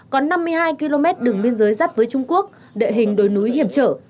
có năm mươi hai km đường biên giới dắt với trung quốc đệ hình đồi núi hiểm trở